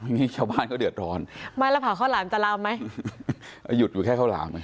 นี่ชาวบ้านเขาเดือดร้อนไม่แล้วเผาข้าวหลามจะลามไหมหยุดอยู่แค่ข้าวหลามไหม